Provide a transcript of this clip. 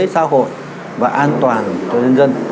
xã hội và an toàn cho dân dân